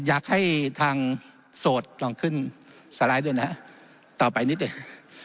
อยากให้ทางโสดลองขึ้นสไลด์ด้วยนะต่อไปนิดหนึ่ง